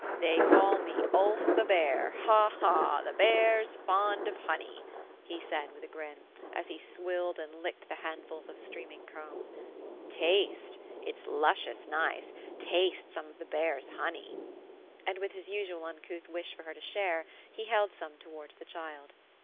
'^ They call me Ulf the bear. Ha, ha ! The bear's fond of honey I" he said, with a grin, as he swilled and licked the handfulhi of streaming comb. ^ Taste I It's luscious nioe I Taste some of the bear's honey." And, with his usual uncouth wish for her to share, he held some towards the child.